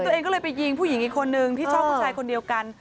ตัวเองก็เลยไปยิงผู้หญิงอีกคนนึงที่ชอบผู้ชายคนเดียวกัน